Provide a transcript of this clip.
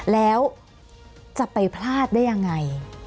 แล้วจะไปพลาดได้ยังไง